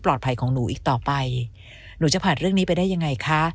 ของหนูอีกต่อไปหนูจะผ่านเรื่องนี้ไปได้ยังไงคะ